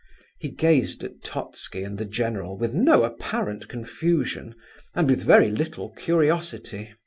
He gazed at Totski and the general with no apparent confusion, and with very little curiosity.